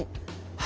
はい。